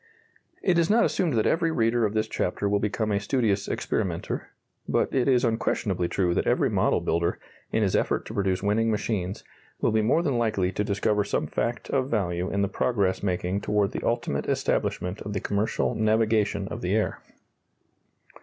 It is not assumed that every reader of this chapter will become a studious experimenter, but it is unquestionably true that every model builder, in his effort to produce winning machines, will be more than likely to discover some fact of value in the progress making toward the ultimate establishment of the commercial navigation of the air.